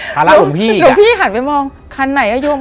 ภาระหลวงพี่หลวงพี่หันไปมองคันไหนอ่ะโยม